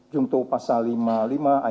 tindak pidana korupsi